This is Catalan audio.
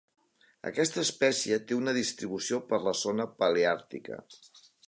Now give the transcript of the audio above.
Aquesta espècie té una distribució per la zona paleàrtica.